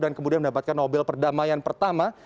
dan kemudian mendapatkan nobel perdamaian pertama